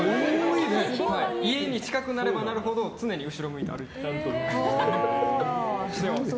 家に近くなればなるほど常に後ろ向いて歩いたりしてます。